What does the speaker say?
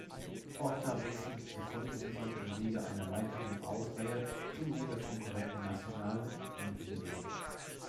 Porta wechselte zur Folgesaison im Wege einer weiteren Ausleihe zum Ligakonkurrenten Nacional Montevideo.